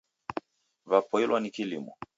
W'apoilwa ni kilimo